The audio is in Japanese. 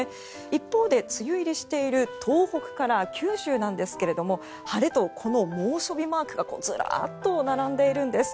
一方で梅雨入りしている東北から九州なんですが晴れとこの猛暑日マークがずらっと並んでいるんです。